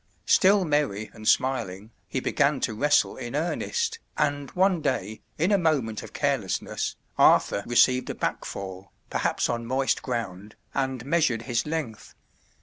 Still merry and smiling, he began to wrestle in earnest, and one day, in a moment of carelessness, Arthur received a back fall, perhaps on moist ground, and measured his length.